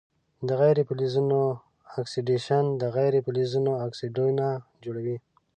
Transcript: د غیر فلزونو اکسیدیشن د غیر فلزونو اکسایدونه جوړوي.